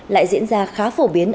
lại diễn ra khá phổ biến